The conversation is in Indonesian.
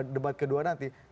debat kedua nanti